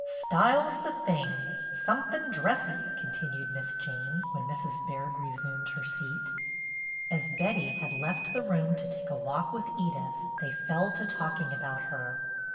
"Style's the thing, somethin' dressy," con tinued Miss Jane, when Mrs. Baird resumed her seat. DEAR OLD MISS JANE 31 As Betty had left the room to take a walk with Edith, they fell to talking about her.